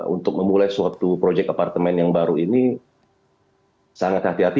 untuk memulai suatu proyek apartemen yang baru ini sangat hati hati